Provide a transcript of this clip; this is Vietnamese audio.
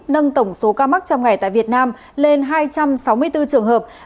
nâng tổng số ca mắc trong ngày tại việt nam lên hai trăm sáu mươi bốn trường hợp